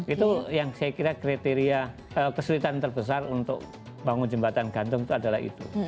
itu yang saya kira kriteria kesulitan terbesar untuk bangun jembatan gantung itu adalah itu